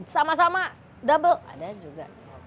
sama sama double ada juga